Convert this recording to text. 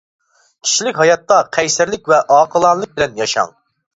كىشىلىك ھاياتتا قەيسەرلىك ۋە ئاقىلانىلىك بىلەن ياشاڭ.